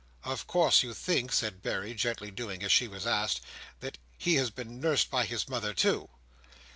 "Of course you think," said Berry, gently doing what she was asked, "that he has been nursed by his mother, too?"